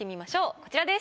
こちらです。